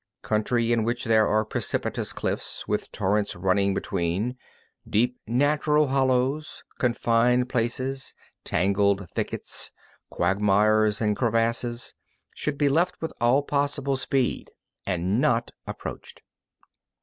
15. Country in which there are precipitous cliffs with torrents running between, deep natural hollows, confined places, tangled thickets, quagmires and crevasses, should be left with all possible speed and not approached.